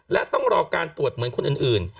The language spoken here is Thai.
และต้องรอการตรวจเหมือนคนอื่น